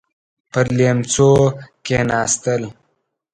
پر ليمڅو کېناستل.